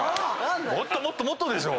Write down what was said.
もっともっともっとでしょ。